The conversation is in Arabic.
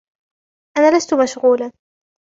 أنا لست مشغولا.